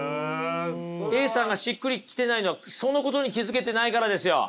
Ａさんがしっくり来てないのはそのことに気付けてないからですよ。